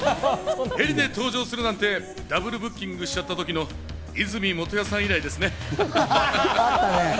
ヘリで登場するなんて、ダブルブッキングしちゃった時の和泉元彌さん以来ですね。